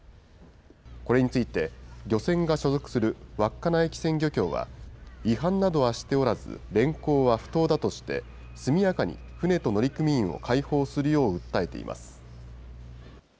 これについて、漁船が所属する稚内機船漁協は、違反などはしておらず、連行は不当だとして、速やかに船と乗組員を解放するよう訴えています。